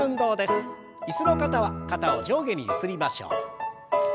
椅子の方は肩を上下にゆすりましょう。